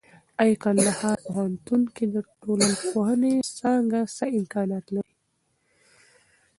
اې کندهار پوهنتون کې د ټولنپوهنې څانګه څه امکانات لري؟